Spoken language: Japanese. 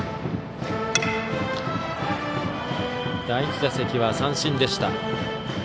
第１打席は三振でした。